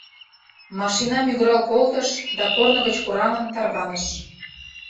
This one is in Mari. Машина мӱгырал колтыш да, корно гыч кораҥын, тарваныш.